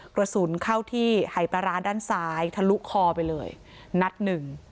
กระสุนเข้าที่หายปลาร้าด้านซ้ายทะลุคอไปเลยนัดหนึ่ง